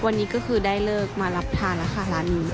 วันนี้ก็คือได้เลิกมารับทานแล้วค่ะร้านนี้